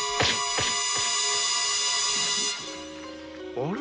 あれ？